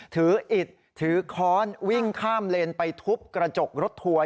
อิดถือค้อนวิ่งข้ามเลนไปทุบกระจกรถทัวร์